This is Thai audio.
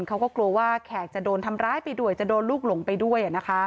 เขาก็กลัวว่าแขกจะโดนทำร้ายไปด้วยจะโดนลูกหลงไปด้วย